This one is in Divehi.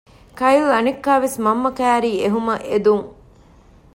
ކައިލް އަނެއްކާވެސް މަންމަ ކައިރީ އެހުމަށް އެދުން